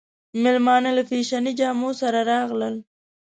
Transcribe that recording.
مېلمانه له فېشني جامو سره راغلل.